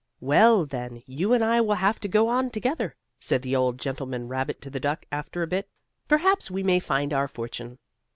"Well, then, you and I will have to go on together," said the old gentleman rabbit to the duck, after a bit. "Perhaps we may find our fortune."